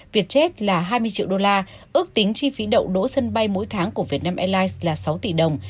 vietjet là hai mươi triệu đô la ước tính chi phí đậu đỗ sân bay mỗi tháng của vietnam airlines là sáu tỷ đồng